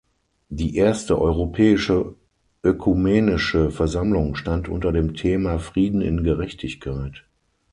Die Erste Europäische Ökumenische Versammlung stand unter dem Thema „Frieden in Gerechtigkeit“.